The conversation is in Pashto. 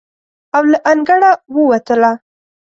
او له انګړه ووتله.